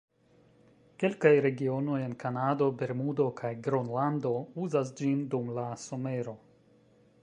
Kelkaj regionoj en Kanado, Bermudo kaj Gronlando uzas ĝin dum la somero.